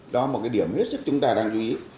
đó là một cái điểm hết sức chúng ta đang chú ý